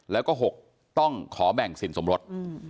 แล้วก็๖ต้องขอแบ่งสินสมรส